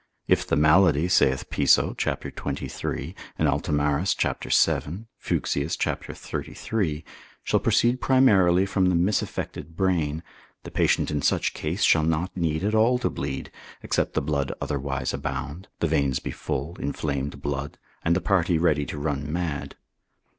If the malady, saith Piso, cap. 23. and Altomarus, cap. 7. Fuchsius, cap. 33. shall proceed primarily from the misaffected brain, the patient in such case shall not need at all to bleed, except the blood otherwise abound, the veins be full, inflamed blood, and the party ready to run mad.